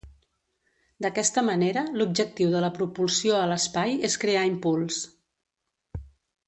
D'aquesta manera, l'objectiu de la propulsió a l'espai és crear impuls.